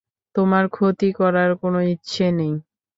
তোমার ক্ষতি করার কোনো ইচ্ছে নেই।